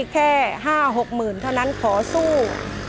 แค่๕๖๐๐๐เท่านั้นขอสู้